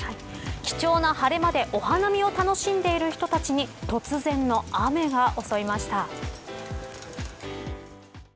貴重な晴れ間でお花見を楽しんでいる人たちに突然の雨が襲いました。